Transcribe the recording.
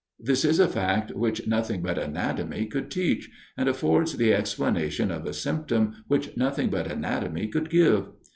This is a fact which nothing but anatomy could teach, and affords the explanation of a symptom which nothing but anatomy could give.